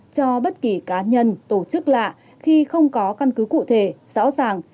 cho bất kỳ cá nhân tổ chức lạ khi không có căn cứ cụ thể rõ ràng